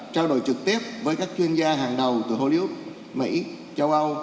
trao đổi trực tiếp với các chuyên gia hàng đầu từ hollywood mỹ châu âu